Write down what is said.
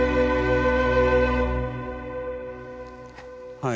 はい。